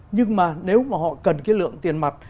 nhưng mà nếu mà họ cần cái lượng tiền mặt